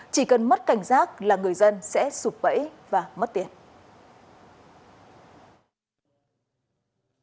chỉ cần mất cảnh giác là người dân sẽ sụp bẫy và mất tiền